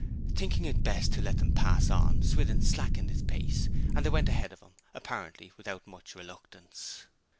Thinking it best to let them pass on Swithin slackened his pace, and they went ahead of him, apparently without much reluctance.